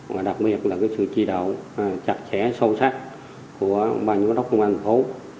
và đặc biệt là sự chi đạo chặt chẽ sâu sắc của băng nhóm đốc công an phố